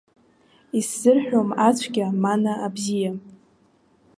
Исзырҳәом ацәгьа, мана абзиа.